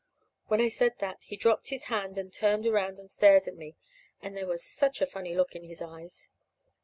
When I said that, he dropped his hand and turned around and stared at me. And there was such a funny look in his eyes.